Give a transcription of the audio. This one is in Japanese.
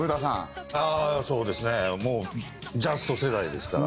そうですねもうジャスト世代ですから。